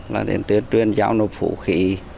là tuyên truyền giao nổ vũ khí